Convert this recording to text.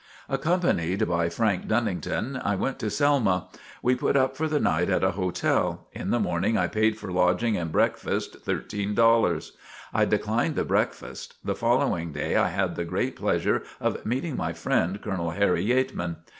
Accompanied by Frank Dunnington, I went to Selma. We put up for the night at a hotel. In the morning I paid for lodging and breakfast $13. I declined the breakfast. The following day I had the great pleasure of meeting my friend Colonel Harry Yeatman.